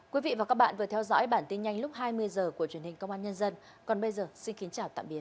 quý vị và các bạn vừa theo dõi bản tin nhanh lúc hai mươi h của truyền hình công an nhân dân còn bây giờ xin kính chào tạm biệt